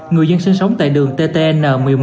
người dân sinh sống tại đường ttn một mươi một